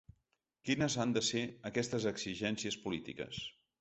Quines han de ser aquestes exigències polítiques?